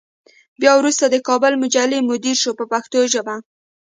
بیا وروسته د کابل مجلې مدیر شو په پښتو ژبه.